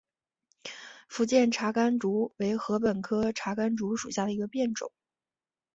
福建茶竿竹为禾本科茶秆竹属下的一个变种。